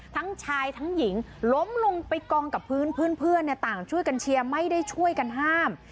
ทั้งชายทั้งหญิงล้มลงไปกองกับพื้นเพื่อนต่างช่วยกันเชียร์ไม่ได้ช่วยกันห้าม